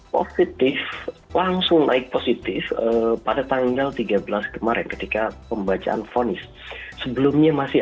positif langsung naik positif pada tanggal tiga belas kemarin ketika pembacaan fonis sebelumnya masih